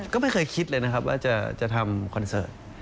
ก็ไม่เคยคิดเลยนะครับว่าจะทำคอนเสิร์ต